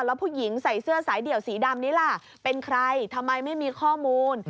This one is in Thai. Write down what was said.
แล้วผู้หญิงใส่เสื้อสายเดี่ยวสีดำนี้ล่ะเป็นใครทำไมไม่มีข้อมูล